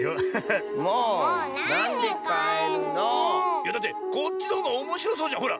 いやだってこっちのほうがおもしろそうじゃんほら。